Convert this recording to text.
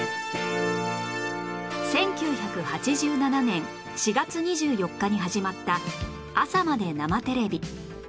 １９８７年４月２４日に始まった『朝まで生テレビ！』